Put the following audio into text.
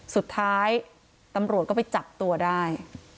สุดท้ายตำรวจก็ไปจับตัวได้